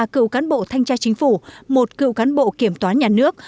ba cựu cán bộ thanh tra chính phủ một cựu cán bộ kiểm toán nhà nước